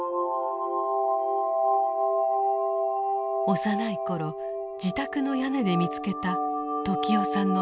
幼い頃自宅の屋根で見つけた時雄さんの名前です。